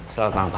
selamat malam pak